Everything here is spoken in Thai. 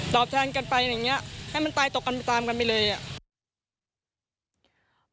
ตอบแทนกันไปอย่างเงี้ยให้มันตายตกกันมาตามกันไปเลยอ่ะ